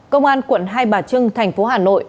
công an quận hai bà trưng thành phố hà nội